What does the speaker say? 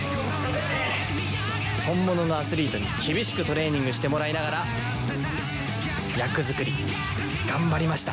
本物のアスリートに厳しくトレーニングしてもらいながら役作り頑張りました。